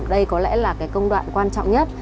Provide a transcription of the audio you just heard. đây có lẽ là công đoạn quan trọng nhất